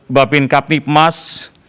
mbak bin kapni pemas